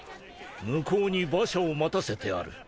向こうに馬車を待たせてある。